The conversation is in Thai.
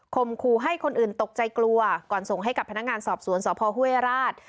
ครูให้คนอื่นตกใจกลัวก่อนส่งให้กับพนักงานสอบสวนสพห้วยราช